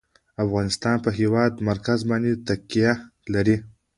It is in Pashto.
افغانستان په د هېواد مرکز باندې تکیه لري.